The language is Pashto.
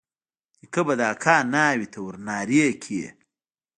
نيکه به د اکا ناوې ته ورنارې کړې.